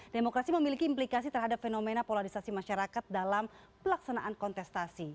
demokrasi memiliki implikasi terhadap fenomena polarisasi masyarakat dalam pelaksanaan kontestasi